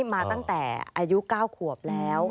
มาตั้งแต่อายุ๙ขวบแล้ว